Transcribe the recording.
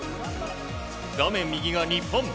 画面右が日本。